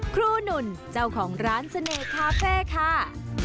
หนุ่นเจ้าของร้านเสน่ห์คาเฟ่ค่ะ